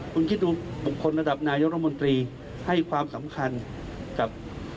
คุณคิดดูบุคคลระดับนายกรมนตรีให้ความสำคัญกับ